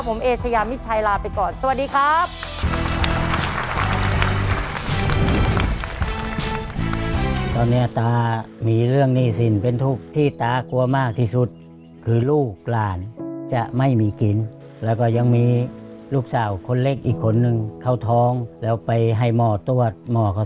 ผมเอเชยามิชัยลาไปก่อน